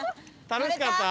楽しかった？